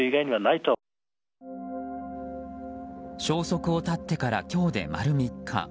消息を絶ってから今日で丸３日。